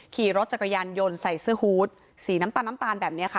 ขี่รถจักรยานยนต์ใส่เสื้อฮูตสีน้ำตาลน้ำตาลแบบนี้ค่ะ